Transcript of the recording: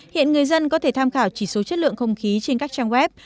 hiện người dân có thể tham khảo chỉ số chất lượng không khí trên các trang web